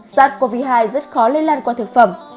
sars cov hai rất khó lây lan qua thực phẩm